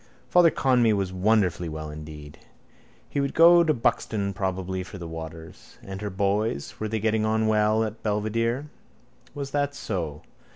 Father Conmee was wonderfully well indeed. He would go to Buxton probably for the waters. And her boys, were they getting on well at Belvedere? Was that so?